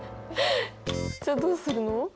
じゃどうするの？